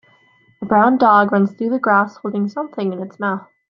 A brown dog runs through the grass holding something in its mouth